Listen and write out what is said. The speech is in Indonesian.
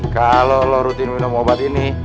kalau lo rutin minum obat ini